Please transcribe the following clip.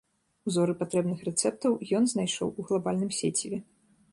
Узоры патрэбных рэцэптаў ён знайшоў у глабальным сеціве.